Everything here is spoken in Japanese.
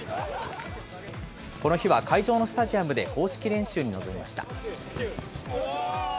この日は会場のスタジアムで公式練習に臨みました。